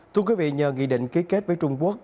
thưa quý vị nhờ nghị định ký kết với trung quốc